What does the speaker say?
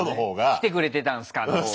来てくれてたんすかのほうが。